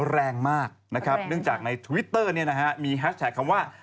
แรงมากเนื่องจากในทวิตเตอร์มีแฮชแท็กคำว่า